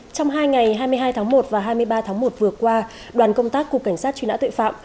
trong hai ngày hai mươi hai tháng một và hai mươi ba tháng một vừa qua đoàn công tác cục cảnh sát truy nã tội phạm